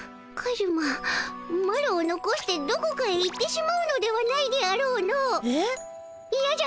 カズママロをのこしてどこかへ行ってしまうのではないであろうの。